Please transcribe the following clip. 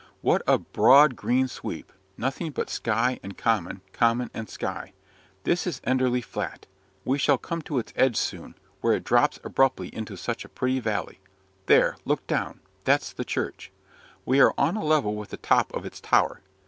What a broad green sweep nothing but sky and common, common and sky. This is Enderley Flat. We shall come to its edge soon, where it drops abruptly into such a pretty valley. There, look down that's the church. We are on a level with the top of its tower.